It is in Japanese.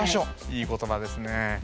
いい言葉ですね。